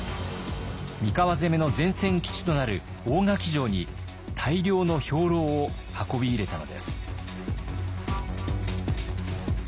三河攻めの前線基地となる大垣城に大量の兵糧を運び入れたのです。